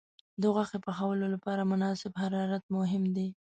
د غوښې پخولو لپاره مناسب حرارت مهم دی.